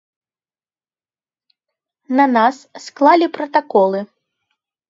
На нас склалі пратаколы.